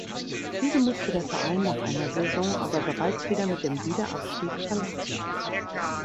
Diese musste der Verein nach einer Saison aber bereits wieder mit dem Wiederabstieg verlassen.